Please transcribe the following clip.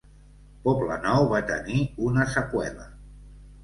Poblenou va tenir una seqüela.